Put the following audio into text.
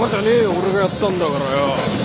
俺がやったんだからよ。